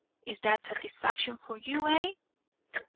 Is that satisfaction for you, eh?"